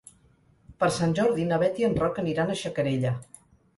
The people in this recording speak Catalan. Per Sant Jordi na Bet i en Roc aniran a Xacarella.